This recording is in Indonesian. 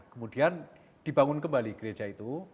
kemudian dibangun kembali gereja itu